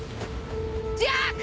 ジャック！